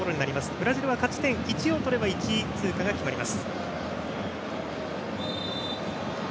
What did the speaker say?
ブラジルは勝ち点１を取れば１位通過が決まります。